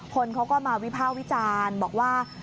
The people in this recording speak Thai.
คนเขาก็มาวิภาควิจารณ์บอกว่า